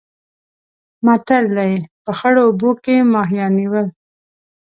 متل دی: په خړو اوبو کې ماهیان نیول.